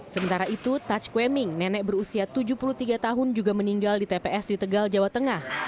sementara itu touch kweming nenek berusia tujuh puluh tiga tahun juga meninggal di tps di tegal jawa tengah